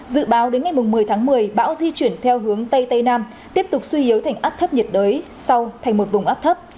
dự báo đến ngày một mươi tháng một mươi bão di chuyển theo hướng tây tây nam tiếp tục suy yếu thành áp thấp nhiệt đới sau thành một vùng áp thấp